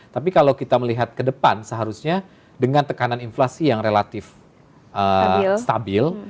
tapi kalau kita melihat ke depan seharusnya dengan tekanan inflasi yang relatif stabil